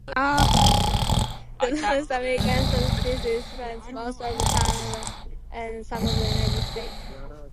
The North American subspecies spans most of Canada and some of the United States.